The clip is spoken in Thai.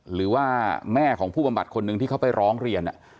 หรือว่าแม่ของผู้บำบัดคนหนึ่งที่เขาไปร้องเรียน